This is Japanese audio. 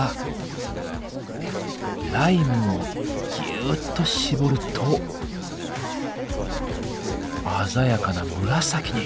ライムをぎゅっと搾ると鮮やかな紫に。